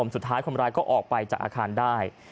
สุดท้ายคนร้ายก็ออกไปจากอาคารได้